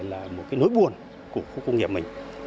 là một cái nỗi buồn của khu công nghiệp mình